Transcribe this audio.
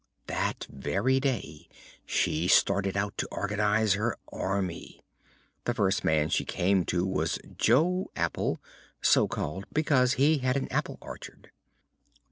That very day she started out to organize her Army. The first man she came to was Jo Apple, so called because he had an apple orchard.